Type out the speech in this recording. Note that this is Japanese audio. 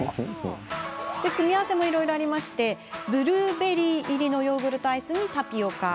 組み合わせもいろいろあってブルーベリー入りのヨーグルトアイスにタピオカ。